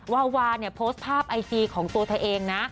วาวาเนี่ยโพสต์ภาพไอจีของตัวเธอเองนะ